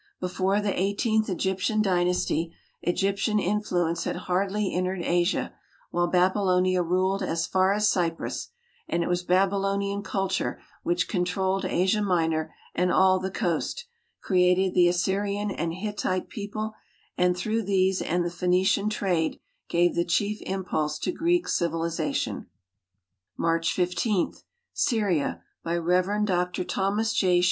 Before the eighteenth Egyptian dynasty Egyptian influence had hardly entered Asia, while Babylonia ruled as far as Cyprus, and it was Babylonian culture which controlled Asia Minor and all the coast, created the Assyrian and Hittite people, and through these and the Phoenician trade gave the chief impulse to Greek civiliza tion. March 15. Syria, by Rev. Dr. Thomas J.